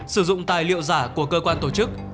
sử dụng tài liệu giả của cơ quan tổ chức